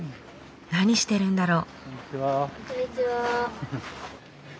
何してるんだろう？